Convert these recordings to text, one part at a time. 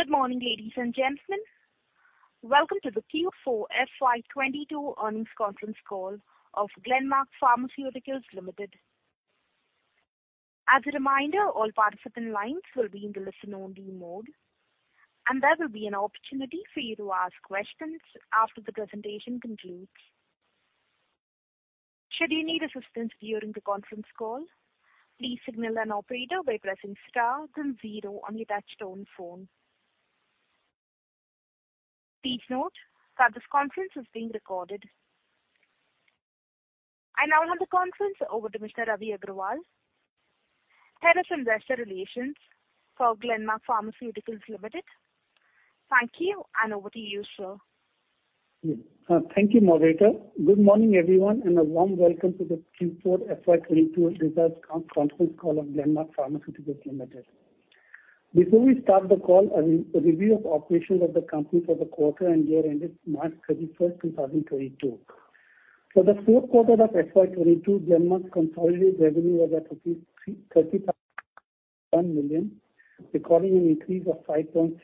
Good morning, ladies and gentlemen. Welcome to the Q4 FY22 earnings conference call of Glenmark Pharmaceuticals Limited. As a reminder, all participant lines will be in the listen only mode, and there will be an opportunity for you to ask questions after the presentation concludes. Should you need assistance during the conference call, please signal an operator by pressing star then zero on your touchtone phone. Please note that this conference is being recorded. I now hand the conference over to Mr. Ravi Agrawal, Head of Investor Relations for Glenmark Pharmaceuticals Limited. Thank you, and over to you, sir. Thank you, moderator. Good morning, everyone, and a warm welcome to the Q4 FY22 results conference call of Glenmark Pharmaceuticals Limited. Before we start the call, a review of operations of the company for the quarter and year ended March 31, 2022. For the fourth quarter of FY22, Glenmark's consolidated revenue was at 35.1 million, recording an increase of 5.6%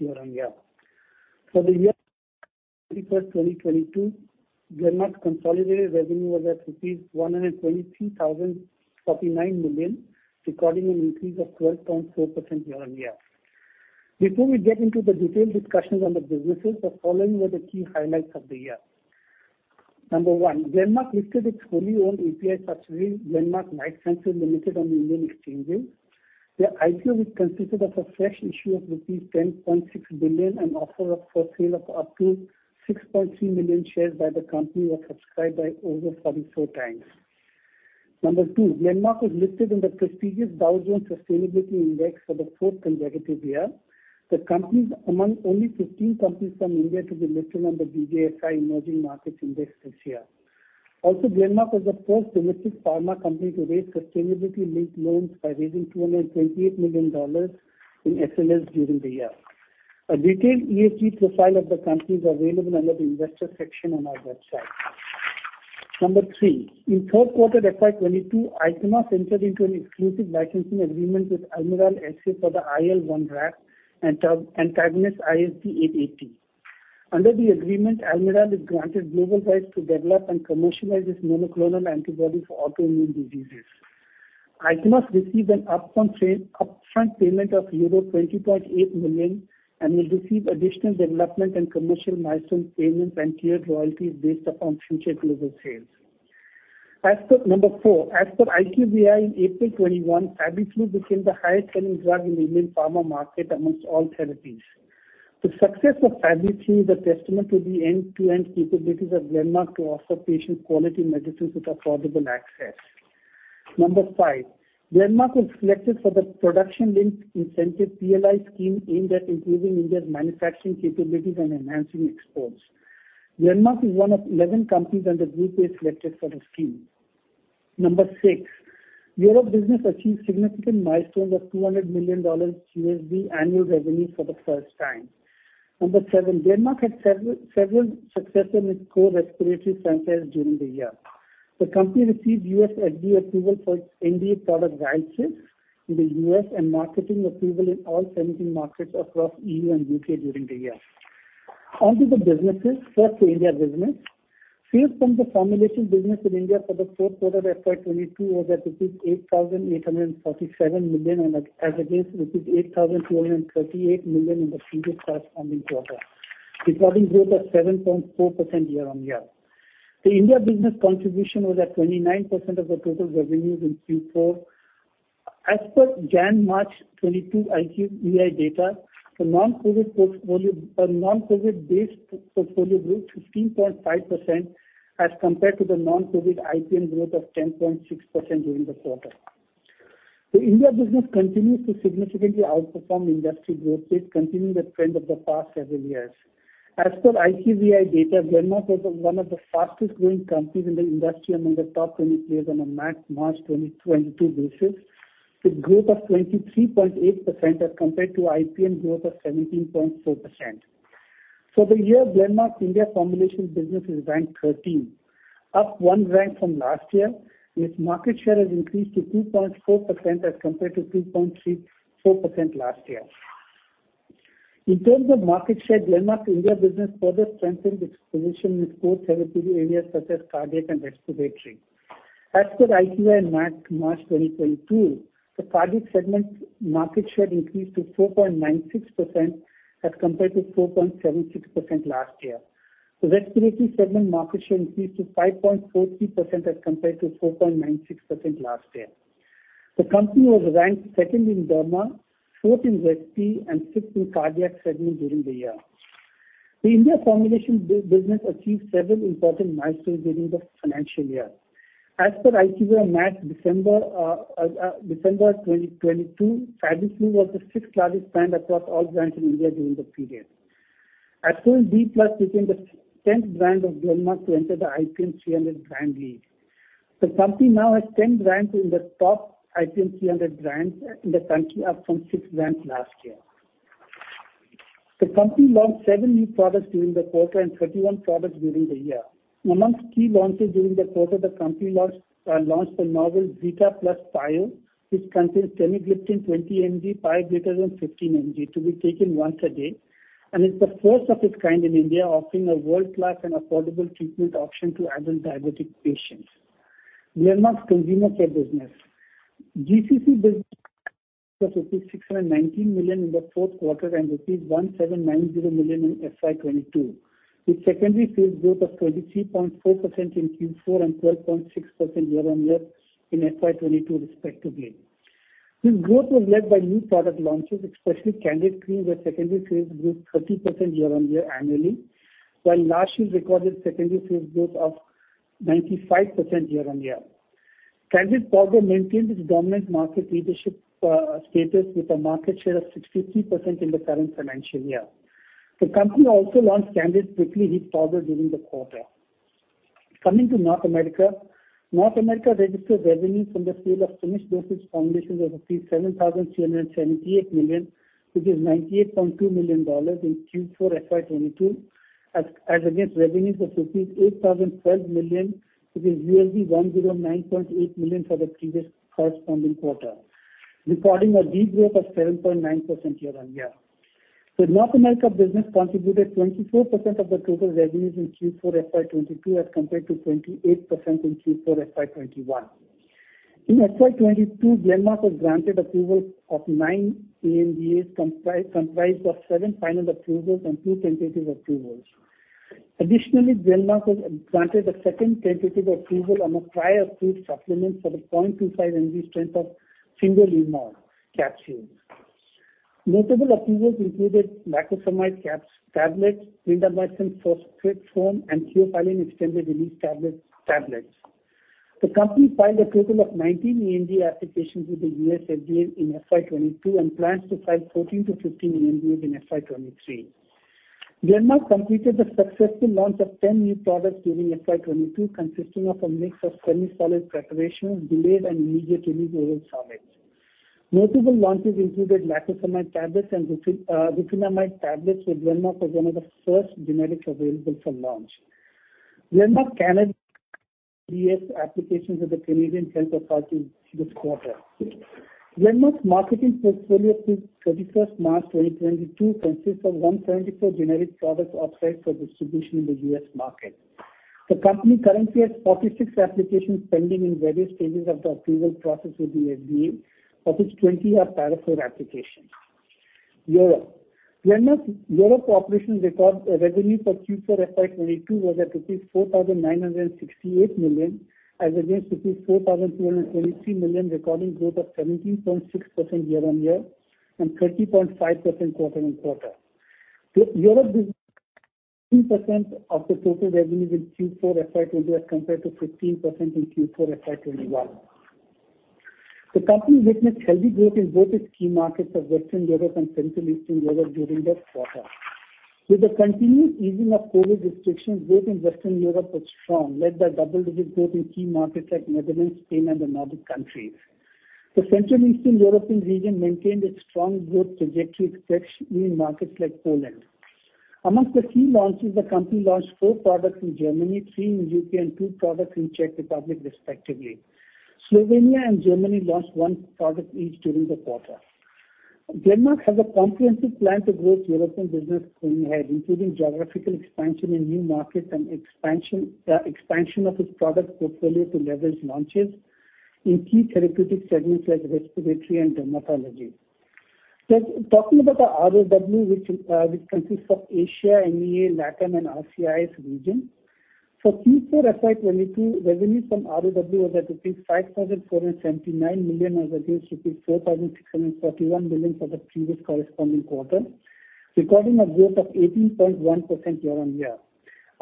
year-on-year. For the year ended March 31, 2022, Glenmark's consolidated revenue was at rupees 123,049 million, recording an increase of 12.4% year-on-year. Before we get into the detailed discussions on the businesses, the following were the key highlights of the year. Number one, Glenmark listed its fully owned API subsidiary, Glenmark Lifesciences Limited on the Indian exchanges. The IPO was consisted of a fresh issue of rupees 10.6 billion, an offer for sale of up to 6.3 million shares by the company was subscribed by over 44 times. Number two, Glenmark was listed in the prestigious Dow Jones Sustainability Index for the fourth consecutive year. The company is among only 15 companies from India to be listed on the DJSI Emerging Markets Index this year. Also, Glenmark was the first domestic pharma company to raise sustainability-linked loans by raising $228 million in SLL during the year. A detailed ESG profile of the company is available under the investor section on our website. Number three, in third quarter FY 2022, Ichnos entered into an exclusive licensing agreement with Almirall S.A. for the IL-1RAP antagonist ISB 880. Under the agreement, Almirall is granted global rights to develop and commercialize this monoclonal antibody for autoimmune diseases. Ichnos received an upfront payment of euro 20.8 million and will receive additional development and commercial milestone payments and tiered royalties based upon future global sales. As per Number four, as per IQVIA in April 2021, FabiFlu became the highest selling drug in Indian pharma market amongst all therapies. The success of FabiFlu is a testament to the end-to-end capabilities of Glenmark to offer patients quality medicines with affordable access. Number five, Glenmark was selected for the Production Linked Incentive, PLI scheme, aimed at improving India's manufacturing capabilities and enhancing exports. Glenmark is one of 11 companies under group A selected for the scheme. Number six, Europe business achieved significant milestones of $200 million annual revenue for the first time. Number seven, Glenmark had several success in its core respiratory franchise during the year. The company received US FDA approval for its NDA product Ryaltris in the US and marketing approval in all 17 markets across EU and UK during the year. Onto the businesses, first, the India business. Sales from the formulation business in India for the fourth quarter FY22 was at 8,847 million as against 8,238 million in the previous corresponding quarter, recording growth of 7.4% year-on-year. The India business contribution was at 29% of the total revenues in Q4. As per January-March 2022 IQVIA data, the non-COVID based portfolio grew 15.5% as compared to the non-COVID IPM growth of 10.6% during the quarter. The India business continues to significantly outperform industry growth rates, continuing the trend of the past several years. As per IQVIA data, Glenmark was one of the fastest growing companies in the industry among the top 20 players on a March 2022 basis, with growth of 23.8% as compared to IPM growth of 17.4%. For the year, Glenmark India formulation business is ranked 13, up one rank from last year. Its market share has increased to 2.4% as compared to 2.34% last year. In terms of market share, Glenmark India business further strengthened its position in core therapeutic areas such as cardiac and respiratory. As per IQVIA in March 2022, the cardiac segment market share increased to 4.96% as compared to 4.76% last year. The respiratory segment market share increased to 5.43% as compared to 4.96% last year. The company was ranked second in derma, fourth in respi, and sixth in cardiac segment during the year. The India formulation business achieved several important milestones during the financial year. As per IQVIA MAT December 2022, FabiFlu was the sixth largest brand across all brands in India during the period. Ascoril D Plus became the tenth brand of Glenmark to enter the IPM 300 brand league. The company now has 10 brands in the top IPM 300 brands in the country, up from six brands last year. The company launched 7 new products during the quarter and 31 products during the year. Amongst key launches during the quarter, the company launched a novel Zita Plus Pio, which contains Teneligliptin 20 mg, Pioglitazone 15 mg to be taken once a day, and it's the first of its kind in India, offering a world-class and affordable treatment option to adult diabetic patients. Glenmark's consumer care business, GCC business, INR 619 million in the fourth quarter and 1,790 million in FY 2022, with secondary sales growth of 23.4% in Q4 and 12.6% year-on-year in FY 2022 respectively. This growth was led by new product launches, especially Candid cream, where secondary sales grew 30% year-on-year annually, while last year recorded secondary sales growth of 95% year-on-year. Candid Powder maintained its dominant market leadership status with a market share of 60% in the current financial year. The company also launched Candid Quick Heat Powder during the quarter. Coming to North America. North America registered revenue from the sale of finished dosage formulations of 7,378 million, which is $98.2 million in Q4 FY 2022, as against revenues of rupees 8,012 million, which is $109.8 million for the previous corresponding quarter, recording a de-growth of 7.9% year-on-year. The North America business contributed 24% of the total revenues in Q4 FY 2022 as compared to 28% in Q4 FY 2021. In FY 2022, Glenmark was granted approval of nine ANDAs comprised of seven final approvals and two tentative approvals. Additionally, Glenmark was granted a second tentative approval on a prior-approved supplement for the 0.25 mg strength of Singulair capsules. Notable approvals included lacosamide tablets, clindamycin phosphate foam, and theophylline extended-release tablets. The company filed a total of 19 ANDA applications with the US FDA in FY 2022 and plans to file 14-15 ANDAs in FY 2023. Glenmark completed the successful launch of 10 new products during FY 2022, consisting of a mix of semi-solid preparations, delayed and immediate-release oral solids. Notable launches included lacosamide tablets and rifamycin tablets, where Glenmark was one of the first generics available for launch. Glenmark filed NDS applications with Health Canada this quarter. Glenmark's marketing portfolio through March 31, 2022 consists of 174 generic products approved for distribution in the US market. The company currently has 46 applications pending in various stages of the approval process with the FDA, of which 20 are Para IV applications. Glenmark's Europe operations record revenue for Q4 FY22 was at rupees 4,968 million, as against rupees 4,223 million, recording growth of 17.6% year-on-year and 30.5% quarter-on-quarter. The Europe business 2% of the total revenue in Q4 FY22 as compared to 15% in Q4 FY21. The company witnessed healthy growth in both its key markets of Western Europe and Central Eastern Europe during the quarter. With the continued easing of COVID restrictions, growth in Western Europe was strong, led by double-digit growth in key markets like Netherlands, Spain, and the Nordic countries. The Central and Eastern European region maintained its strong growth trajectory especially in markets like Poland. Among the key launches, the company launched 4 products in Germany, 3 in UK, and 2 products in Czech Republic respectively. Slovenia and Germany launched one product each during the quarter. Glenmark has a comprehensive plan to grow its European business going ahead, including geographical expansion in new markets and expansion of its product portfolio to leverage launches in key therapeutic segments like respiratory and dermatology. Talking about the ROW, which consists of Asia, MEA, LATAM, and CIS region. For Q4 FY 2022, revenue from ROW was at rupees 5,479 million as against rupees 4,641 million for the previous corresponding quarter, recording a growth of 18.1% year-on-year.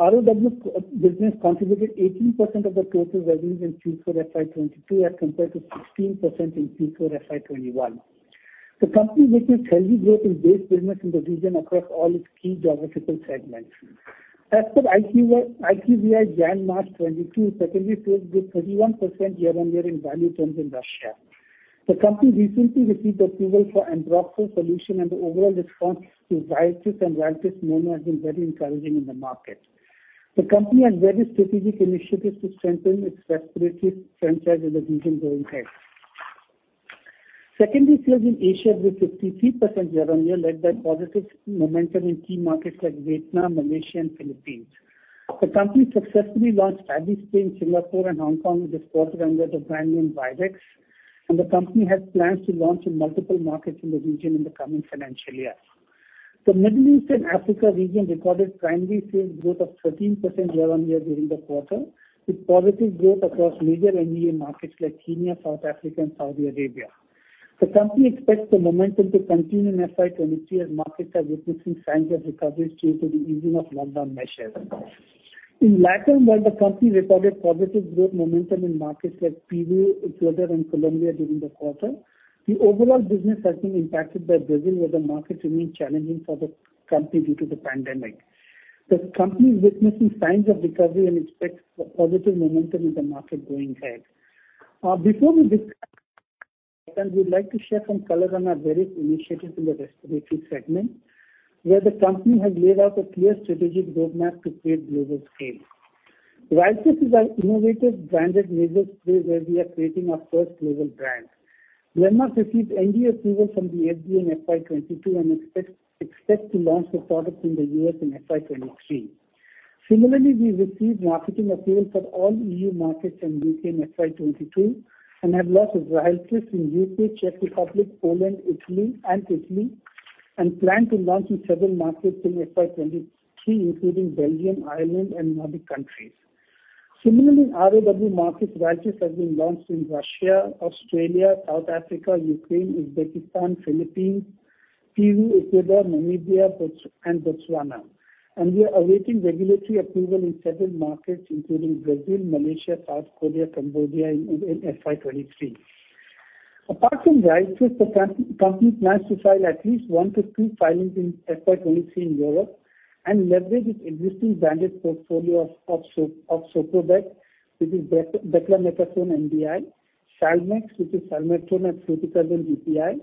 ROW business contributed 18% of the total revenue in Q4 FY 2022 as compared to 16% in Q4 FY 2021. The company witnessed healthy growth in base business in the region across all its key geographical segments. As for IQVIA January-March 2022, secondary sales grew 31% year-on-year in value terms in Russia. The company recently received approval for Ambroxol Solution, and the overall response to Viatis and Viatis Momo has been very encouraging in the market. The company has very strategic initiatives to strengthen its respiratory franchise in the region going ahead. Secondary sales in Asia grew 53% year-on-year, led by positive momentum in key markets like Vietnam, Malaysia, and Philippines. The company successfully launched FabiSpray in Singapore and Hong Kong in this quarter under the brand name VirX, and the company has plans to launch in multiple markets in the region in the coming financial year. The Middle East and Africa region recorded primary sales growth of 13% year-on-year during the quarter, with positive growth across major MEA markets like Kenya, South Africa, and Saudi Arabia. The company expects the momentum to continue in FY 2023 as markets are witnessing signs of recovery due to the easing of lockdown measures. In LATAM, while the company recorded positive growth momentum in markets like Peru, Ecuador, and Colombia during the quarter, the overall business has been impacted by Brazil, where the market remains challenging for the company due to the pandemic. The company is witnessing signs of recovery and expects positive momentum in the market going ahead. Before we discuss, we'd like to share some color on our various initiatives in the respiratory segment, where the company has laid out a clear strategic roadmap to create global scale. Ryaltris is our innovative branded nasal spray, where we are creating our first global brand. Glenmark received NDA approval from the FDA in FY 2022 and expects to launch the product in the US in FY 2023. Similarly, we received marketing approval for all EU markets and U.K. in FY 2022, and have launched Ryaltris in U.K., Czech Republic, Poland, Italy, and plan to launch in several markets in FY 2023, including Belgium, Ireland, and Nordic countries. Similarly, in ROW markets, RYALTRIS has been launched in Russia, Australia, South Africa, Ukraine, Uzbekistan, Philippines, Peru, Ecuador, Namibia, and Botswana. We are awaiting regulatory approval in several markets, including Brazil, Malaysia, South Korea, Cambodia in FY 2023. Apart from RYALTRIS, the company plans to file at least 1-2 filings in FY 2023 in Europe and leverage its existing branded portfolio of Soprobec, which is beclometasone MDI, Salmex, which is salmeterol and fluticasone DPI,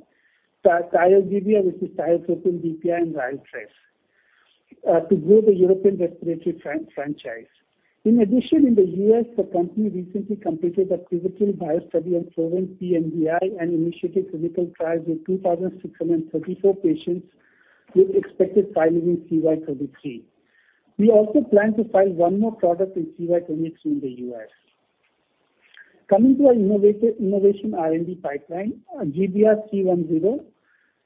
Tiogiva, which is tiotropium DPI, and RYALTRIS to grow the European respiratory franchise. In addition, in the US, the company recently completed a pivotal bio study on proposed pMDI and initiated clinical trials in 2,634 patients, with expected filing in CY 2023. We also plan to file one more product in CY 2023 in the US. Coming to our innovation R&D pipeline, GBR 310.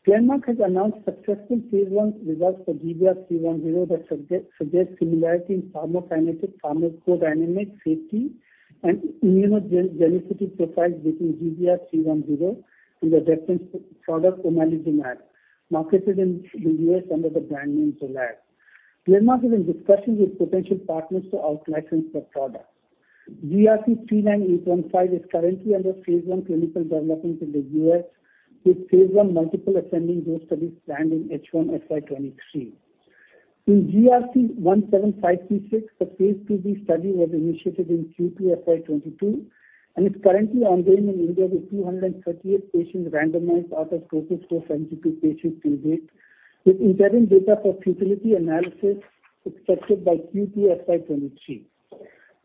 Glenmark has announced successful phase 1 results for GBR 310 that suggest similarity in pharmacokinetic, pharmacodynamic, safety, and immunogenicity profiles between GBR 310 and the reference product omalizumab, marketed in the US under the brand name Xolair. Glenmark is in discussions with potential partners to out-license the product. GRC 39815 is currently under phase 1 clinical development in the US, with phase 1 multiple ascending dose studies planned in H1 FY 2023. In GRC 17536, the phase 2b study was initiated in Q2 FY22, and is currently ongoing in India with 238 patients randomized out of total 472 patient period, with interim data for futility analysis expected by Q2 FY23.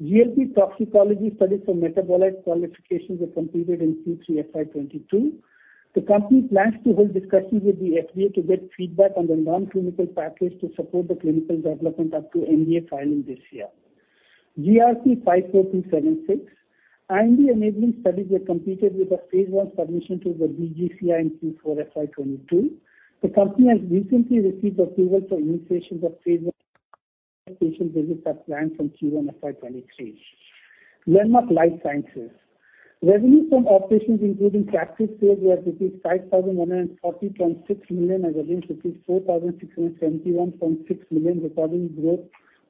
GLP toxicology studies for metabolite qualification were completed in Q3 FY22. The company plans to hold discussions with the FDA to get feedback on the non-clinical package to support the clinical development up to NDA filing this year. GRC 54276. IND enabling studies were completed with a phase 1 submission to the DCGI in Q4 FY22. The company has recently received approval for initiation of phase 1. Patient visits are planned from Q1 FY23. Glenmark Life Sciences. Revenue from operations including captive sales was 5,140.6 million as against rupees 4,671.6 million,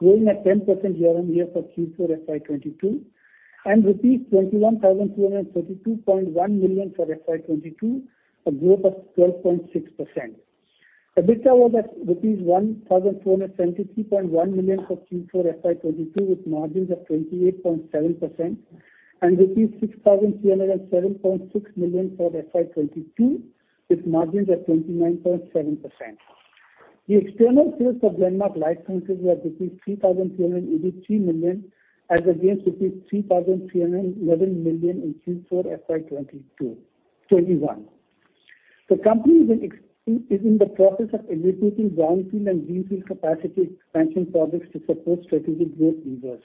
growing at 10% year-on-year for Q4 FY22, and rupees 21,232.1 million for FY22, a growth of 12.6%. EBITDA was at rupees 1,473.1 million for Q4 FY22, with margins of 28.7%, and rupees 6,307.6 million for FY22, with margins at 29.7%. The external sales of Glenmark Life Sciences were 3,383 million, as against 3,311 million in Q4 FY21. The company is in the process of elevating greenfield and brownfield capacity expansion projects to support strategic growth levers.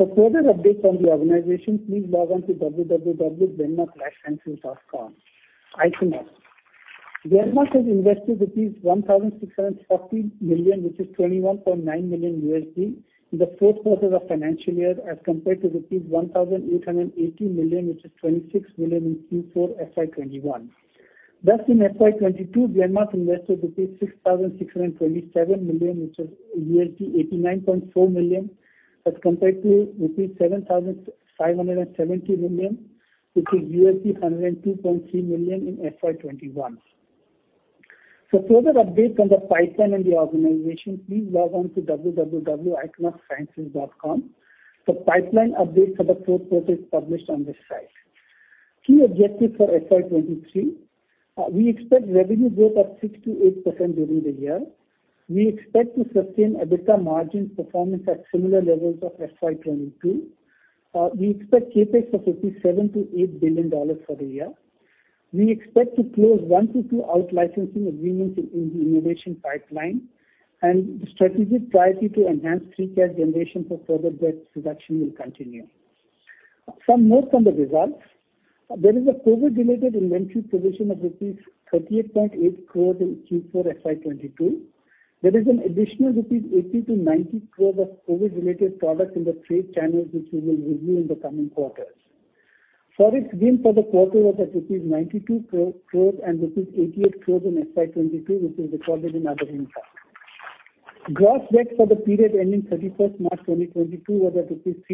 For further updates on the organization, please log on to www.glenmarklifesciences.com. Ichnos. Glenmark has invested rupees 1,640 million, which is $21.9 million, in the first quarter of financial year as compared to rupees 1,880 million, which is $26 million, in Q4 FY 2021. Thus, in FY 2022, Glenmark invested 6,627 million, which is $89.4 million, as compared to 7,570 million, which is $102.3 million, in FY 2021. For further updates on the pipeline and the organization, please log on to www.ichnossciences.com. The pipeline update for the first quarter is published on this site. Key objectives for FY 2023. We expect revenue growth of 6%-8% during the year. We expect to sustain EBITDA margins performance at similar levels of FY 2022. We expect CapEx of up to $7 billion-$8 billion for the year. We expect to close one to two out-licensing agreements in the innovation pipeline. The strategic priority to enhance free cash generation for further debt reduction will continue. Some notes on the results, there is a COVID-related inventory provision of rupees 38.8 crore in Q4 FY 2022. There is an additional rupees 80-90 crore of COVID-related products in the trade channels, which we will review in the coming quarters. Forex gains for the quarter was at rupees 92 crore and rupees 88 crore in FY 2022, which is recorded in other income. Gross debt for the period ending 31 March 2022 was at INR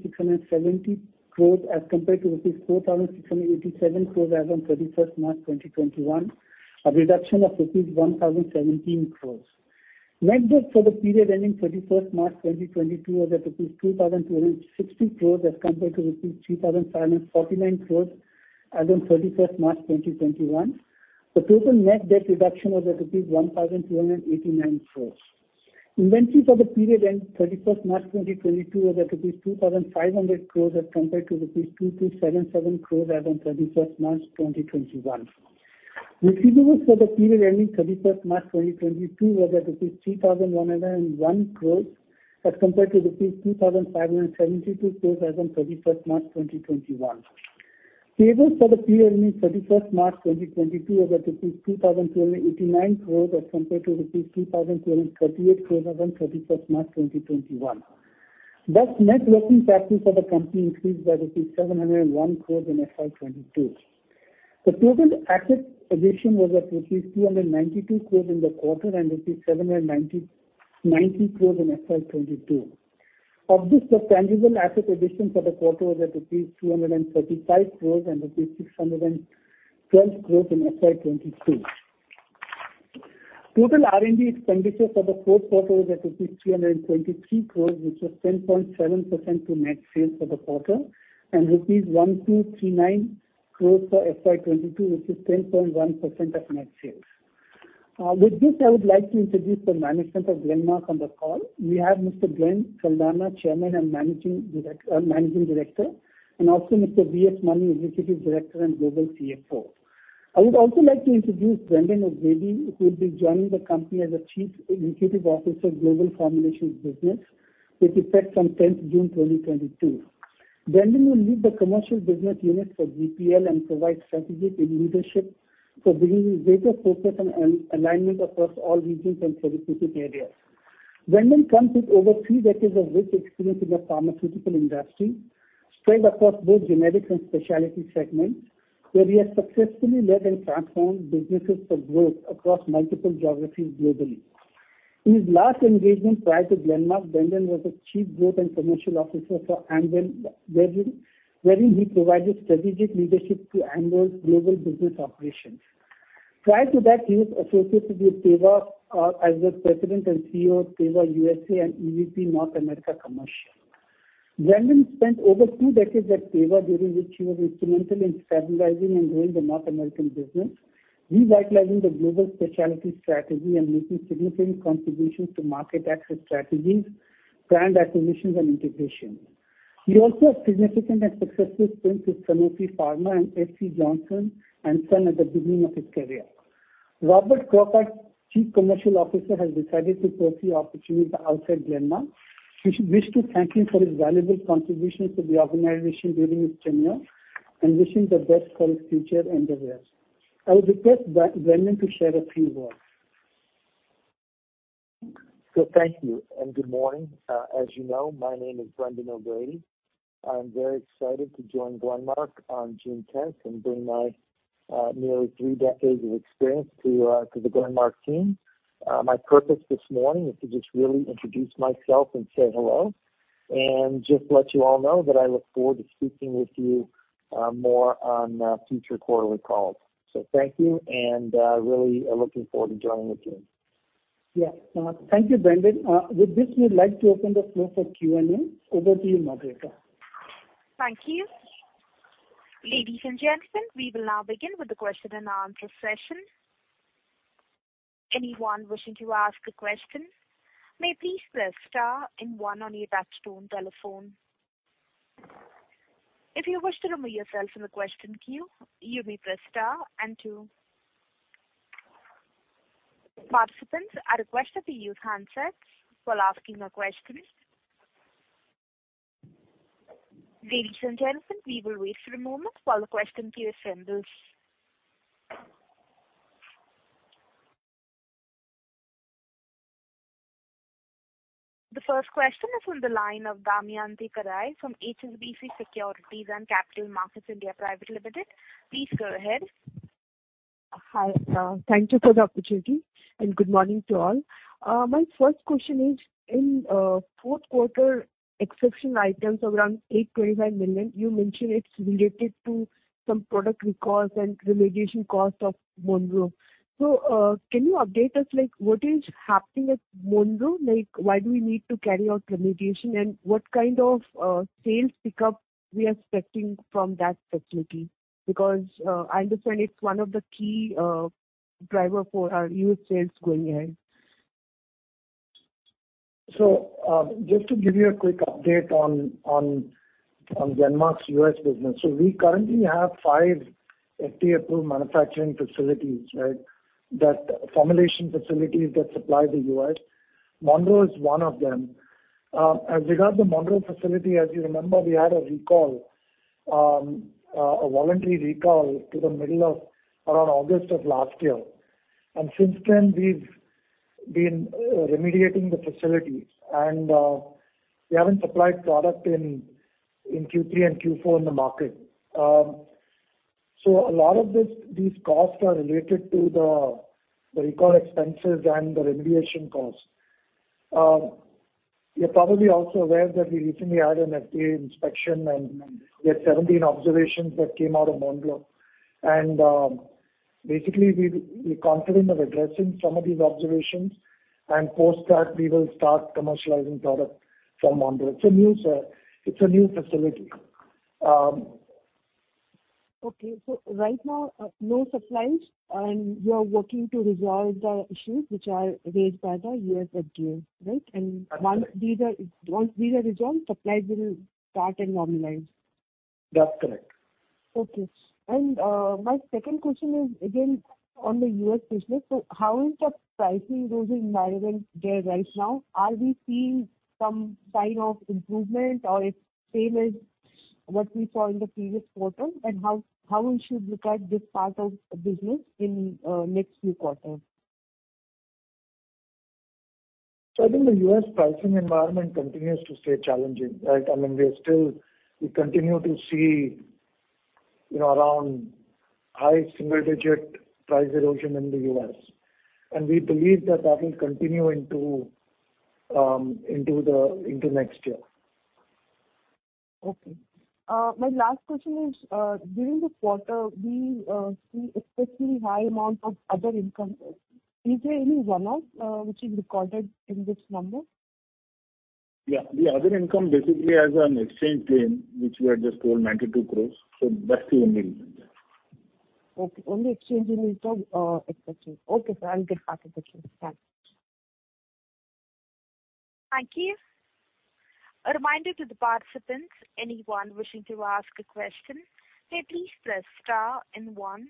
3,670 crores as compared to INR 4,687 crores as on 31 March 2021, a reduction of INR 1,017 crores. Net debt for the period ending 31 March 2022 was at INR 2,260 crores as compared to INR 3,549 crores as on 31 March 2021. The total net debt reduction was at 1,289 crores. Inventories for the period end 31 March 2022 was at 2,500 crores as compared to 2,377 crores as on 31 March 2021. Receivables for the period ending 31st March 2022 was at INR 3,101 crores as compared to INR 2,572 crores as on 31st March 2021. Payables for the period ending 31st March 2022 was at INR 2,289 crores as compared to INR 2,238 crores as on 31st March 2021. Thus, net working capital for the company increased by 701 crores in FY 2022. The total asset addition was at rupees 292 crores in the quarter and rupees 790 crores in FY 2022. Of this, the tangible asset addition for the quarter was at rupees 235 crores and rupees 612 crores in FY 2022. Total R&D expenditure for the fourth quarter was 323 crores, which was 10.7% of net sales for the quarter, and INR 1,239 crores for FY22, which is 10.1% of net sales. With this, I would like to introduce the management of Glenmark on the call. We have Mr. Glenn Saldanha, Chairman and Managing Director, and also Mr. V.S. Mani, Executive Director and Global CFO. I would also like to introduce Brendan O'Grady, who will be joining the company as the Chief Executive Officer, Global Formulations Business, with effect from 10th June 2022. Brendan will lead the commercial business unit for GPL and provide strategy and leadership for bringing greater focus and alignment across all regions and therapeutic areas. Brendan comes with over three decades of rich experience in the pharmaceutical industry, spread across both generic and specialty segments, where he has successfully led and transformed businesses for growth across multiple geographies globally. In his last engagement prior to Glenmark, Brendan was the Chief Growth and Commercial Officer for Amgen, wherein he provided strategic leadership to Amgen's global business operations. Prior to that, he was associated with Teva as the President and CEO of Teva USA and EVP North America Commercial. Brendan spent over two decades at Teva, during which he was instrumental in stabilizing and growing the North American business, revitalizing the global specialty strategy, and making significant contributions to market access strategies, brand acquisitions and integration. He also has significant and successful stints with Sanofi and S.C. Johnson & Son at the beginning of his career. Robert Crockart, Chief Commercial Officer, has decided to pursue opportunities outside Glenmark. We wish to thank him for his valuable contributions to the organization during his tenure and wishing the best for his future endeavors. I would request Brendan to share a few words. Thank you and good morning. As you know, my name is Brendan O'Grady. I'm very excited to join Glenmark on June 10th and bring my nearly three decades of experience to the Glenmark team. My purpose this morning is to just really introduce myself and say hello, and just let you all know that I look forward to speaking with you more on future quarterly calls. Thank you, and really looking forward to joining the team. Yeah. Thank you, Brendan. With this, we'd like to open the floor for Q&A. Over to you, moderator. Thank you. Ladies and gentlemen, we will now begin with the question and answer session. Anyone wishing to ask a question may please press star and one on your touchtone telephone. If you wish to remove yourself from the question queue, you may press star and two. Participants are requested to use handsets while asking a question. Ladies and gentlemen, we will wait for a moment while the question queue assembles. The first question is on the line of Damayanti Kerai from HSBC Securities and Capital Markets (India) Private Limited. Please go ahead. Hi, thank you for the opportunity, and good morning to all. My first question is, in, fourth quarter exception items of around 825 million, you mentioned it's related to some product recalls and remediation costs of Monroe. Can you update us, like, what is happening at Monroe? Like, why do we need to carry out remediation, and what kind of, sales pickup we are expecting from that facility? Because, I understand it's one of the key driver for our US sales going ahead. Just to give you a quick update on Glenmark's US business. We currently have five FDA-approved manufacturing facilities, right, formulation facilities that supply the U.S., Monroe is one of them. As regards the Monroe facility, as you remember, we had a recall, a voluntary recall till the middle of around August of last year. Since then we've been remediating the facilities. We haven't supplied product in Q3 and Q4 in the market. A lot of these costs are related to the recall expenses and the remediation costs. You're probably also aware that we recently had an FDA inspection and we had 17 observations that came out of Monroe. Basically we're confident of addressing some of these observations, and post that we will start commercializing product from Monroe. It's a new facility. Okay. Right now, no supplies and you are working to resolve the issues which are raised by the US FDA, right? Once these are resolved, supplies will start and normalize. That's correct. My second question is again on the US business. How is the pricing growth environment there right now? Are we seeing some sign of improvement or it's same as what we saw in the previous quarter? How we should look at this part of the business in next few quarters? I think the U.S. pricing environment continues to stay challenging, right? I mean, we are still. We continue to see, you know, around high single-digit price erosion in the U.S. We believe that that will continue into next year. Okay. My last question is, during the quarter, we see especially high amount of other income. Is there any one-off, which is recorded in this number? Yeah. The other income basically has an exchange gain, which we have just told, 92 crores. That's the only reason there. Okay. Only exchange gain is the exception. Okay, sir. I'll get back with you. Thanks. Thank you. A reminder to the participants, anyone wishing to ask a question, may please press star and one.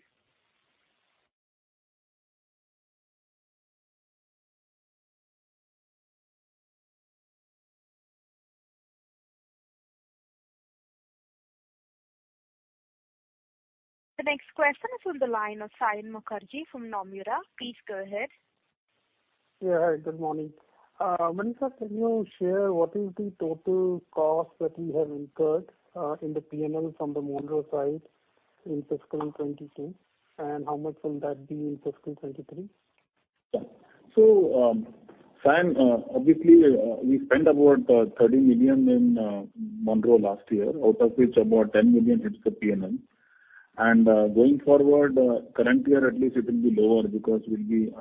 The next question is from the line of Saion Mukherjee from Nomura. Please go ahead. Good morning. Mani, can you share what is the total cost that you have incurred in the P&L from the Monroe side in fiscal 2022, and how much will that be in fiscal 2023? Yeah. Saion, obviously, we spent about 30 million in Monroe last year, out of which about 10 million hits the P&L. Going forward, current year at least it will be lower because we'll be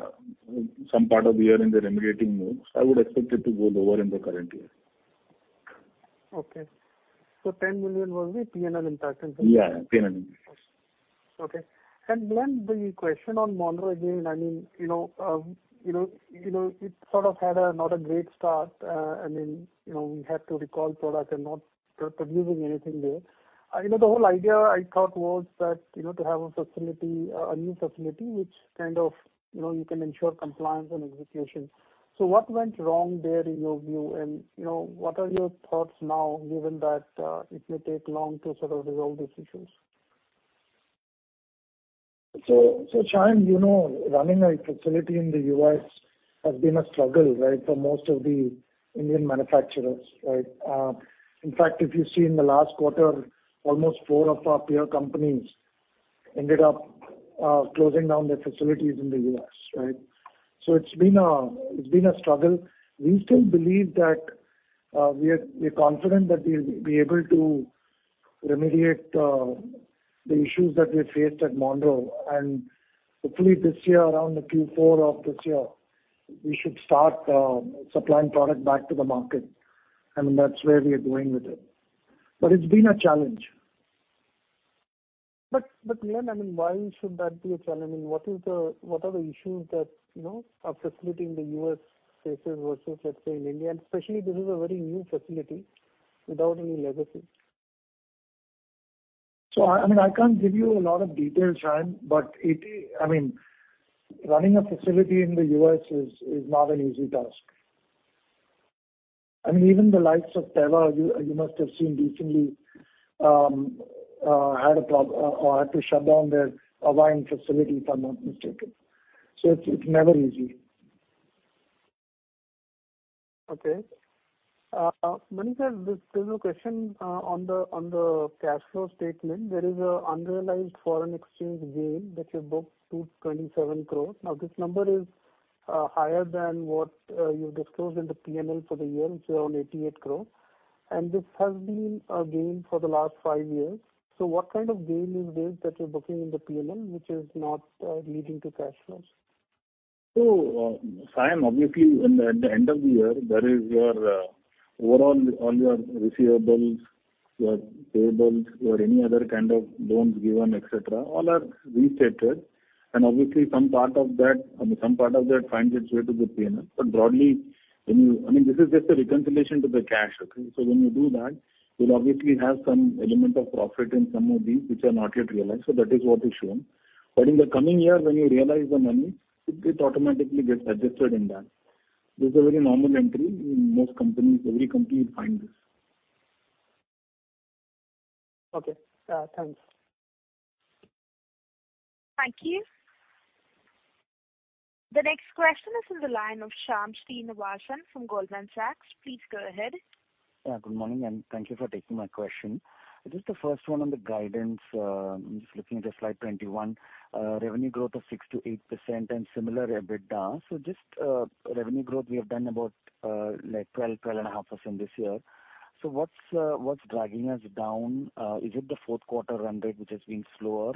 some part of the year in the remediating mode. I would expect it to go lower in the current year. Okay. 10 million was the P&L impact on Monroe? Yeah, P&L impact. Okay. The question on Monroe again, I mean, it sort of had not a great start. I mean, we had to recall product and not producing anything there. The whole idea I thought was that, to have a facility, a new facility which kind of, you can ensure compliance and execution. What went wrong there in your view? And, what are your thoughts now given that, it may take long to sort of resolve these issues? Saion, running a facility in the U.S. has been a struggle, right? For most of the Indian manufacturers, right? In fact, if you see in the last quarter, almost four of our peer companies ended up closing down their facilities in the U.S., right? It's been a struggle. We still believe that we are confident that we'll be able to remediate the issues that we faced at Monroe. Hopefully this year, around the Q4 of this year, we should start supplying product back to the market. I mean, that's where we are going with it. It's been a challenge. Glenn, I mean, why should that be a challenge? I mean, what are the issues that, you know, are facing the US space versus, let's say in India, and especially this is a very new facility without any legacy. I mean, I can't give you a lot of details, Saion, but I mean, running a facility in the U.S. is not an easy task. I mean, even the likes of Teva, you must have seen recently, had to shut down their Irvine facility, if I'm not mistaken. It's never easy. Manish, this is a question on the cash flow statement. There is an unrealized foreign exchange gain that you booked, 227 crore. Now, this number is higher than what you've disclosed in the P&L for the year, which is around 88 crore. This has been a gain for the last five years. What kind of gain is this that you're booking in the P&L, which is not leading to cash flows? Saion, obviously when at the end of the year, there is your overall your receivables, your payables or any other kind of loans given, et cetera, all are restated. Obviously some part of that, I mean, finds its way to the P&L. Broadly, I mean, this is just a reconciliation to the cash. Okay? When you do that, you'll obviously have some element of profit in some of these which are not yet realized. That is what is shown. In the coming year, when you realize the money, it automatically gets adjusted in that. This is a very normal entry in most companies. Every company you'd find this. Okay. Thanks. Thank you. The next question is from the line of Shyam Srinivasan from Goldman Sachs. Please go ahead. Yeah, good morning, and thank you for taking my question. Just the first one on the guidance. I'm just looking at the slide 21, revenue growth of 6%-8% and similar EBITDA. Revenue growth we have done about, like 12.5% this year. What's dragging us down? Is it the fourth quarter run rate which has been slower?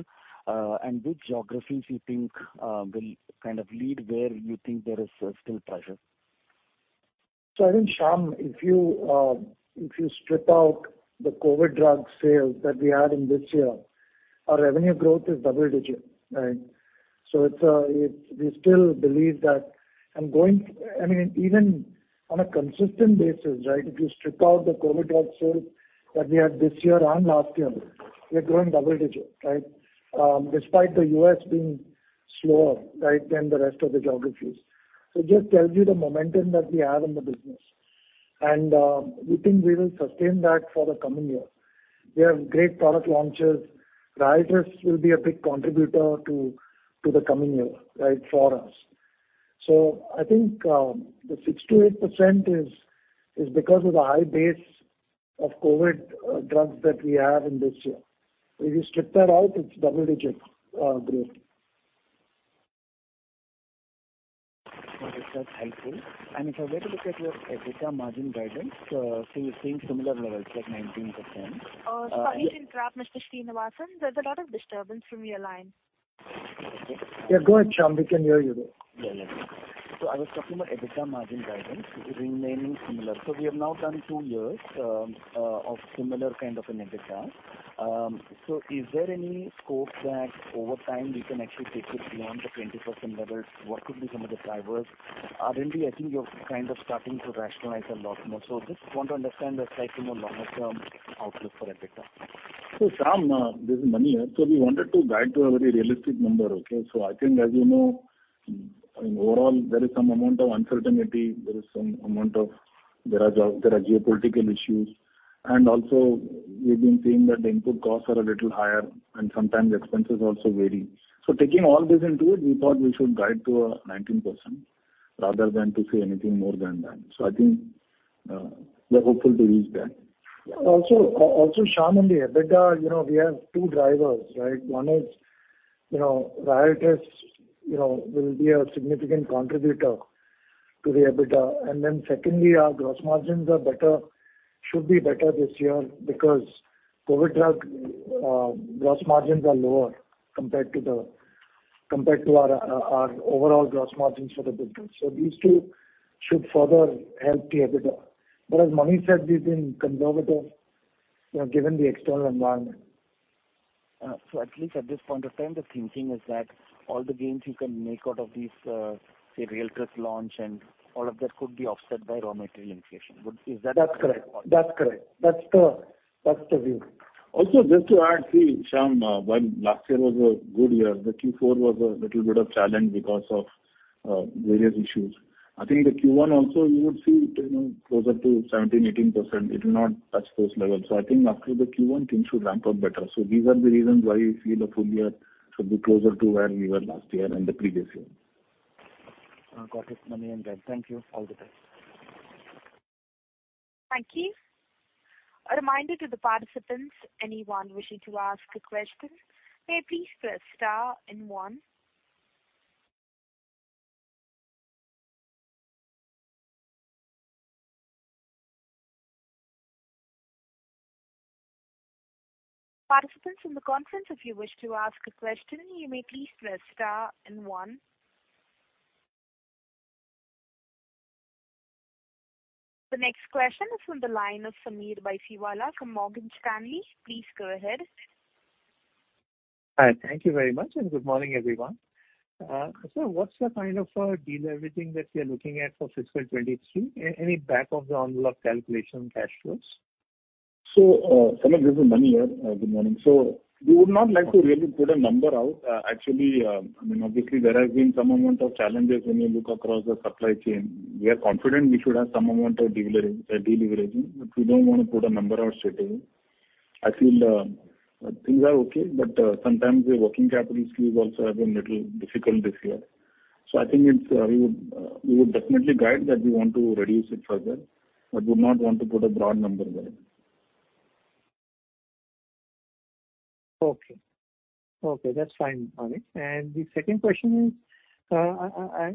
Which geographies you think will kind of lead where you think there is still pressure? I think, Shyam, if you strip out the COVID drug sales that we had in this year, our revenue growth is double digits, right? It's we still believe that, even on a consistent basis, right, if you strip out the COVID drug sales that we had this year and last year, we're growing double digits, right? Despite the U.S. being slower, right, than the rest of the geographies. It just tells you the momentum that we have in the business. We think we will sustain that for the coming year. We have great product launches. RYALTRIS will be a big contributor to the coming year, right, for us. I think the 6%-8% is because of the high base of COVID drugs that we have in this year. If you strip that out, it's double digits growth. Okay. That's helpful. If I were to look at your EBITDA margin guidance, so you're seeing similar levels like 19%, and Sorry to interrupt, Mr. Srinivasan. There's a lot of disturbance from your line. Yeah, go ahead, Sham. We can hear you though. Yeah, yeah. I was talking about EBITDA margin guidance remaining similar. We have now done two years of similar kind of an EBITDA. Is there any scope that over time we can actually take it beyond the 20% level? What could be some of the drivers? Evidently, I think you're kind of starting to rationalize a lot more. I just want to understand the slightly more longer-term outlook for EBITDA. Sham, this is Mani here. We wanted to guide to a very realistic number, okay. I think as you know, I mean, overall there is some amount of uncertainty. There are geopolitical issues, and also we've been seeing that the input costs are a little higher, and sometimes expenses also vary. Taking all this into account, we thought we should guide to 19% rather than to say anything more than that. I think, we're hopeful to reach that. Also, Sham, on the EBITDA, you know, we have two drivers, right? One is, you know, Ryzest, you know, will be a significant contributor to the EBITDA. Our gross margins are better, should be better this year because COVID drug gross margins are lower compared to our overall gross margins for the business. These two should further help the EBITDA, but as Mani said, we've been conservative, you know, given the external environment. At least at this point of time, the thinking is that all the gains you can make out of these, say Ryaltris launch and all of that could be offset by raw material inflation. Is that That's correct. That's the view. Also, just to add, see, Sham, while last year was a good year, the Q4 was a little bit of a challenge because of various issues. I think the Q1 also you would see, you know, closer to 17%-18%. It will not touch those levels. I think after the Q1, things should ramp up better. These are the reasons why we feel the full year should be closer to where we were last year and the previous year. Got it, Mani and Ravi. Thank you. All the best. Thank you. A reminder to the participants, anyone wishing to ask a question, may please press star and one. Participants in the conference, if you wish to ask a question, you may please press star and one. The next question is from the line of Sameer Baisiwala from Morgan Stanley. Please go ahead. Hi. Thank you very much, and good morning, everyone. What's the kind of de-leveraging that we are looking at for fiscal 2023? Any back of the envelope calculation cash flows? Sameer, this is Mani here. Good morning. We would not like to really put a number out. Actually, I mean obviously there has been some amount of challenges when you look across the supply chain. We are confident we should have some amount of de-leveraging, but we don't wanna put a number out straightaway. I feel things are okay, but sometimes the working capital squeeze also has been little difficult this year. I think it's we would definitely guide that we want to reduce it further, but would not want to put a broad number there. Okay, that's fine, Mani. The second question is,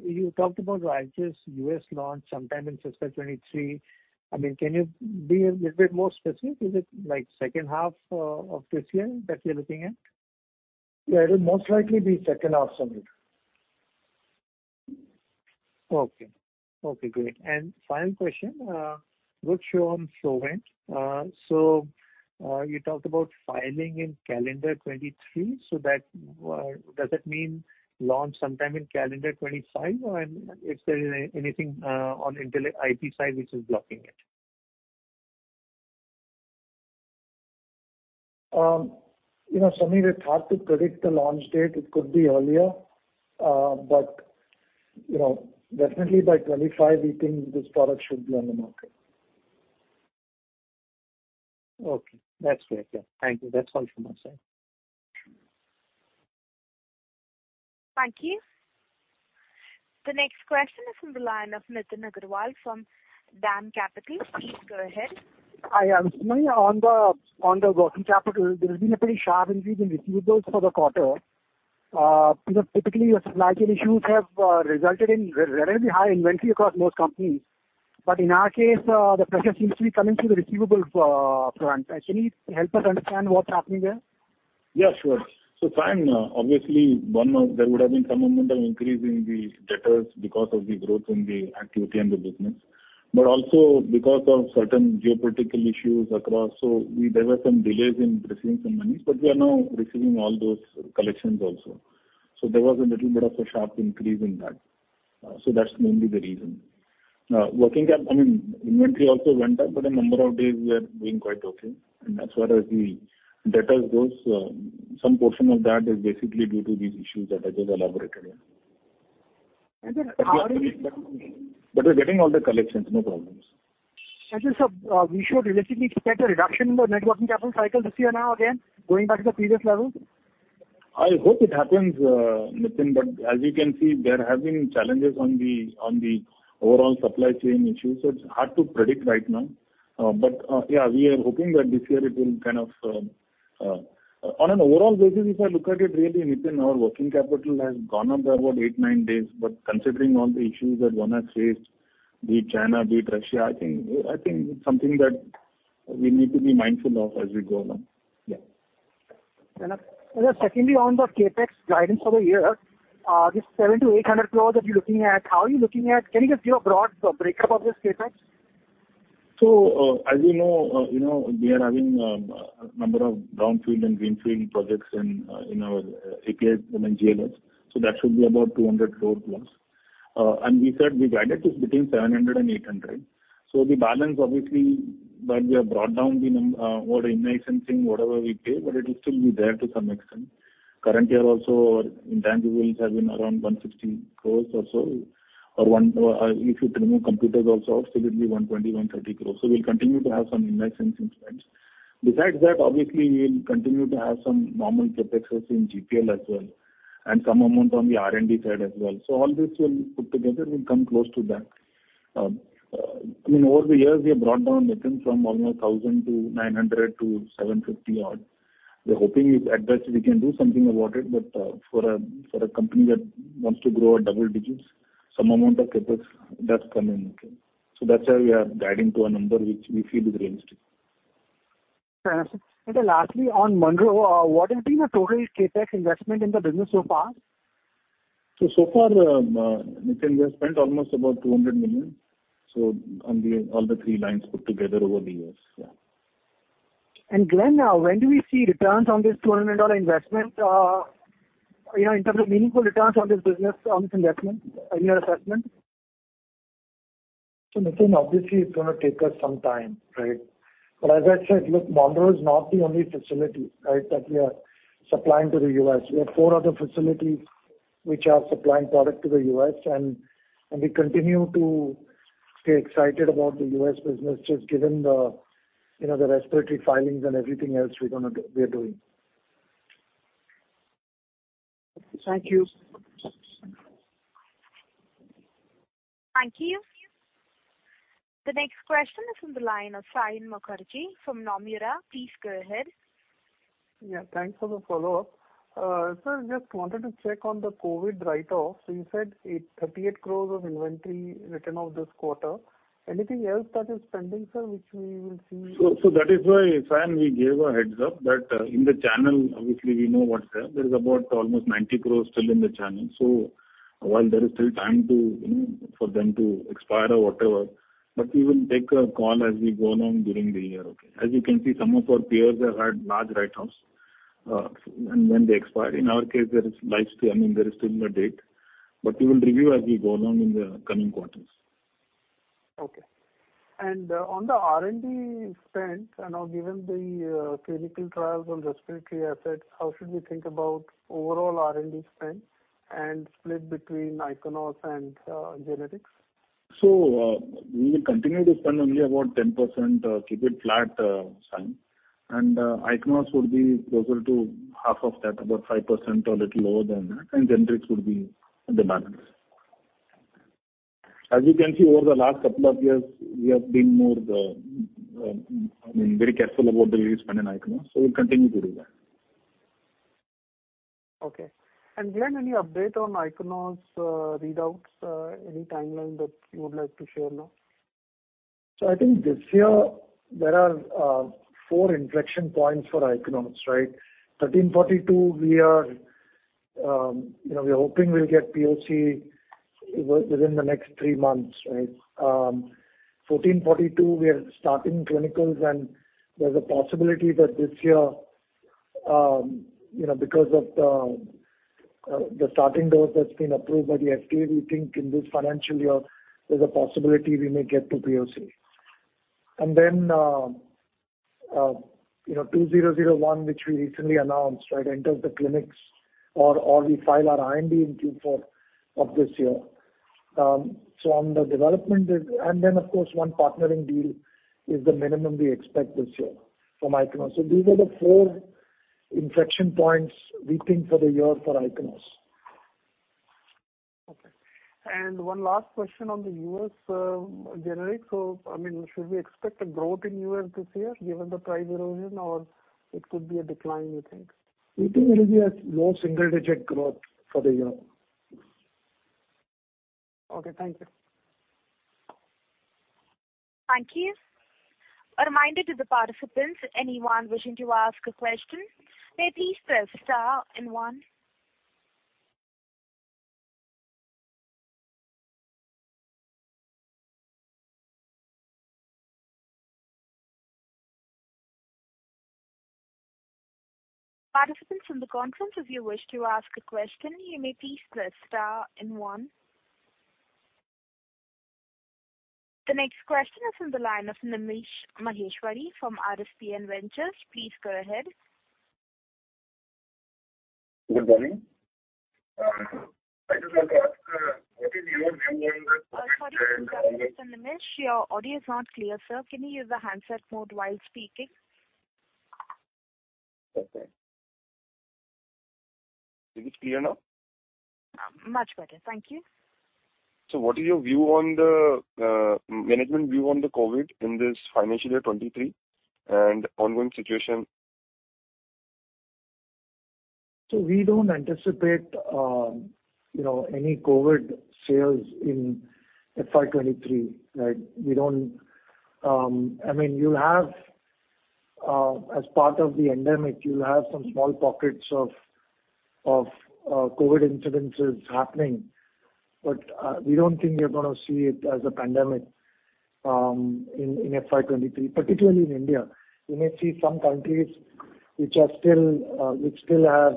you talked about RYALTRIS US launch sometime in fiscal 2023. I mean, can you be a little bit more specific? Is it like second half of this year that you're looking at? Yeah. It'll most likely be second half, Sameer. Okay, great. Final question, quick question on Salmeterol. You talked about filing in calendar 2023. Does that mean launch sometime in calendar 2025? If there is anything on IP side which is blocking it. You know, Sameer, it's hard to predict the launch date. It could be earlier. Definitely by 2025, we think this product should be on the market. Okay. That's great. Yeah. Thank you. That's all from my side. Thank you. The next question is from the line of Nitin Agarwal from DAM Capital. Please go ahead. Hi, yeah. Mani, on the working capital, there has been a pretty sharp increase in receivables for the quarter. You know, typically your supply chain issues have resulted in relatively high inventory across most companies. In our case, the pressure seems to be coming through the receivables front. Can you help us understand what's happening there? Yeah, sure. Fine, obviously there would have been some amount of increase in the debtors because of the growth in the activity in the business. But also because of certain geopolitical issues across, we developed some delays in receiving some monies, but we are now receiving all those collections also. There was a little bit of a sharp increase in that. That's mainly the reason. I mean, inventory also went up, but the number of days we are doing quite okay. As far as the debtors goes, some portion of that is basically due to these issues that I just elaborated on. How are you? We're getting all the collections, no problems. Actually, sir, we should realistically expect a reduction in the net working capital cycle this year now again, going back to the previous level? I hope it happens, Nitin, but as you can see, there have been challenges on the overall supply chain issue, so it's hard to predict right now. We are hoping that this year it will kind of. On an overall basis, if I look at it really, Nitin, our working capital has gone up by about 8-9 days. Considering all the issues that one has faced, be it China, be it Russia, I think it's something that we need to be mindful of as we go along. Yeah. Fair enough. Secondly, on the CapEx guidance for the year, this 700-800 crores that you're looking at, can you just give a broad breakup of this CapEx? As you know, we are having a number of brownfield and greenfield projects in our APIs and in GLS, so that should be about 200 crore+. We said we guided to 700 crore-800 crore. The balance obviously, while we have brought down the number of in-licensing, whatever we pay, but it will still be there to some extent. Current year also our intangibles have been around 160 crore or so, or, if you remove computers also, absolutely 120-130 crore. We'll continue to have some in-licensing spends. Besides that, obviously we'll continue to have some normal CapEx in GPL as well, and some amount on the R&D side as well. All this put together will come close to that. I mean, over the years, we have brought down, Nitin, from almost 1,000 to 900 to 750 odd. We're hoping if at best we can do something about it, but for a company that wants to grow at double digits, some amount of CapEx does come in. That's why we are guiding to a number which we feel is realistic. Fair enough, sir. Lastly, on Monroe, what has been the total CapEx investment in the business so far? So far, Nitin, we have spent almost about 200 million on all the three lines put together over the years, yeah. Glenn now, when do we see returns on this $200 million investment, you know, in terms of meaningful returns on this business, on this investment in your assessment? Nitin, obviously it's gonna take us some time, right? But as I said, look, Monroe is not the only facility, right, that we are supplying to the U.S. We have four other facilities which are supplying product to the U.S. and we continue to stay excited about the US business, just given the, you know, the respiratory filings and everything else we are doing. Thank you. Thank you. The next question is from the line of Saion Mukherjee from Nomura. Please go ahead. Yeah, thanks for the follow-up. Sir, just wanted to check on the COVID write-off. You said 38 crores of inventory written off this quarter. Anything else that is pending, sir, which we will see? That is why, Saion, we gave a heads up that, in the channel, obviously we know what's there. There is about almost 90 crores still in the channel. While there is still time to, you know, for them to expire or whatever, but we will take a call as we go along during the year, okay. As you can see, some of our peers have had large write-offs, and when they expire. In our case, there is life still, I mean, there is still no date, but we will review as we go along in the coming quarters. Okay. On the R&D spend, you know, given the clinical trials on respiratory assets, how should we think about overall R&D spend and split between Ichnos and generics? We will continue to spend only about 10%, keep it flat, Saion. Ichnos would be closer to half of that, about 5% or little lower than that, and genetics would be the balance. As you can see, over the last couple of years, we have been, very careful about the way we spend in Ichnos, so we'll continue to do that. Okay. Glenn, any update on Ichnos, readouts, any timeline that you would like to share now? I think this year there are four inflection points for Ichnos, right? 1342, we are hoping we'll get POC within the next three months, right? 1442, we are starting clinicals and there's a possibility that this year, because of the starting dose that's been approved by the FDA, we think in this financial year there's a possibility we may get to POC. Then, you know, 2001, which we recently announced, right, enters the clinics or we file our IND in Q4 of this year. Of course one partnering deal is the minimum we expect this year from Ichnos. These are the four inflection points we think for the year for Ichnos. Okay. One last question on the U.S. generic. I mean, should we expect a growth in U.S. this year given the price erosion, or it could be a decline, you think? We think it will be low single-digit growth for the year. Okay. Thank you. Thank you. A reminder to the participants, anyone wishing to ask a question, may please press star and one. Participants in the conference, if you wish to ask a question, you may please press star and one. The next question is from the line of Nimish Maheshwari from RSPN Ventures. Please go ahead. Good morning. I just want to ask, what is your view on the? Sorry to interrupt, Mr. Nimish. Your audio is not clear, sir. Can you use the handset mode while speaking? Okay. Is it clear now? Much better, thank you. What is your view on the management view on the COVID in this financial year 2023 and ongoing situation? We don't anticipate, any COVID sales in FY 2023, right? We don't. I mean, you have, as part of the endemic, you'll have some small pockets of COVID incidences happening. But we don't think we're gonna see it as a pandemic in FY 2023, particularly in India. You may see some countries which still have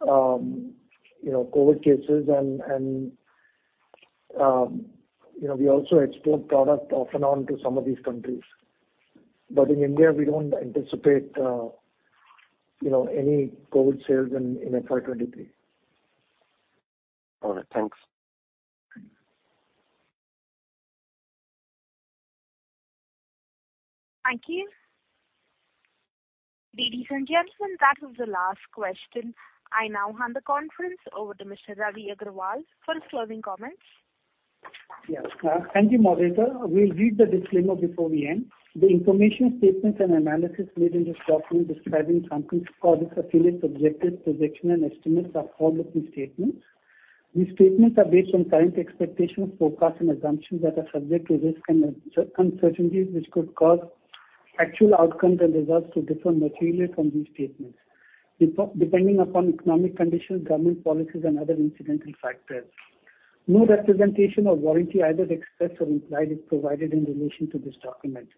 COVID cases and you know, we also export product off and on to some of these countries. But in India, we don't anticipate any COVID sales in FY 2023. All right. Thanks. Thank you. Ladies and gentlemen, that was the last question. I now hand the conference over to Mr. Ravi Agrawal for his closing comments. Yes. Thank you, moderator. We'll read the disclaimer before we end. The information, statements, and analysis made in this document describing Company's products are forward-looking projections and estimates are forward-looking statements. These statements are based on current expectations, forecasts, and assumptions that are subject to risk and uncertainties which could cause actual outcomes and results to differ materially from these statements, depending upon economic conditions, government policies and other incidental factors. No representation or warranty, either express or implied, is provided in relation to this document.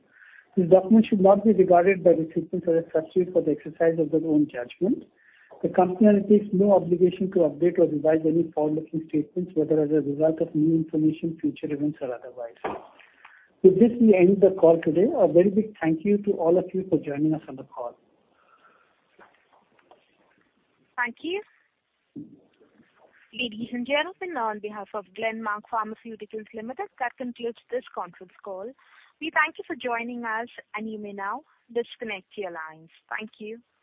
This document should not be regarded by recipients as a substitute for the exercise of their own judgment. The Company undertakes no obligation to update or revise any forward-looking statements, whether as a result of new information, future events, or otherwise. With this, we end the call today. A very big thank you to all of you for joining us on the call. Thank you. Ladies and gentlemen, on behalf of Glenmark Pharmaceuticals Limited, that concludes this conference call. We thank you for joining us, and you may now disconnect your lines. Thank you.